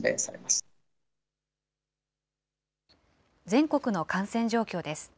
全国の感染状況です。